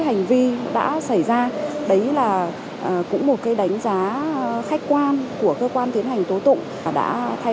hành vi đã xảy ra đấy là cũng một cái đánh giá khách quan của cơ quan tiến hành tố tụng đã thay